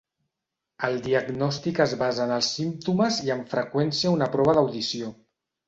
El diagnòstic es basa en els símptomes i amb freqüència una prova d'audició.